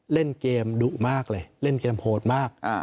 เล่นเกมดุมากเลยเล่นเกมโหดมาก